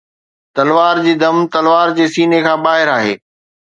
تلوار جي دم تلوار جي سينه کان ٻاهر آهي